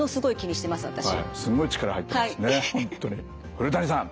古谷さん